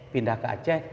pindah ke aceh